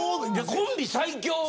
コンビ最強。